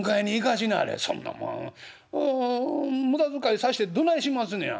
そんなもん無駄遣いさしてどないしますねや。